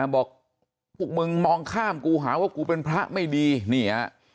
บอกพวกมึงมองข้ามกูหาว่ากูเป็นพระไม่ดีนี่ฮะ